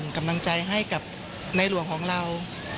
กำลังใจให้กับในหลวงของเรา